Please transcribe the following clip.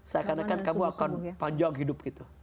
seakan akan kamu akan panjang hidup gitu